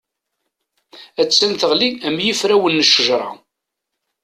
A-tt-an teɣli am yifrawen n ccejra.